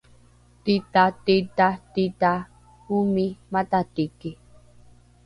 tita tita tita omi matatiki